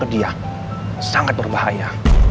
ke dia sangat berbahaya